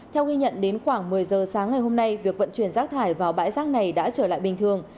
theo ghi nhận đến khoảng một mươi giờ sáng ngày hôm nay việc vận chuyển rác thải vào bãi rác này đã trở lại bình thường